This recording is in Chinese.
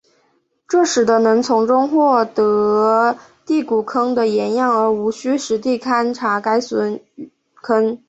这使得能从其中获得第谷坑的岩样而无需实地勘查该陨坑。